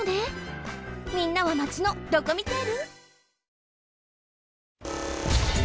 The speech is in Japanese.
みんなはまちのドコミテール？